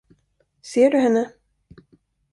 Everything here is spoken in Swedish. Ser du henne?